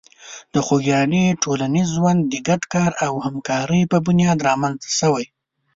د خوږیاڼي ټولنیز ژوند د ګډ کار او همکاري په بنیاد رامنځته شوی.